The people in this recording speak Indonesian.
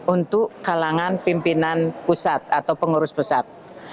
untuk kalangan pimpinan pusat atau pengurus pusat